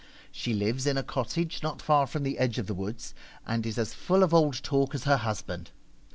She lives in a cottage not far from the edge of the woods, and is as full of old talk as her husband.